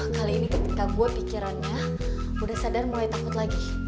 kali ini ketika gue pikirannya udah sadar mulai takut lagi